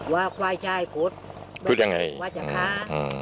ว่าควายชายพุทธไม่มีวัชคาร์